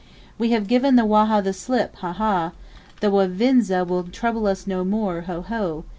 We have given the Waha, the slip! ha, ha! The Wavinza will trouble us no more! ho! ho!